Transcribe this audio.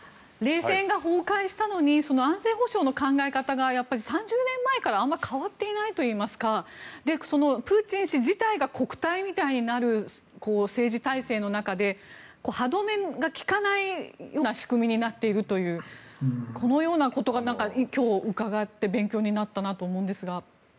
冷戦が崩壊したのに安全保障の考え方が３０年前からあまり変わっていないといいますかプーチン氏自体が国体みたいになる政治体制の中で歯止めが利かないような仕組みになっているというこのようなことが今日、伺って勉強になったなと思うんですが。